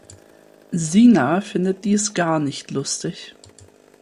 Sina findet dies gar nicht lustig.